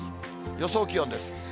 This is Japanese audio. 予想気温です。